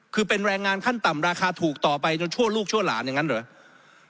คือเป็นแรงงานขั้นต่ำราคาถูกต่อไปจนชั่วลูกชั่วหลานอย่างนั้นเหรอ